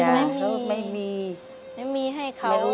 ใช่เขาไม่มีไม่มีให้เขา